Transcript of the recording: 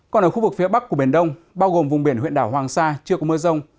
còn ở khu vực phía bắc của biển đông bao gồm vùng biển huyện đảo hoàng sa chưa có mưa rông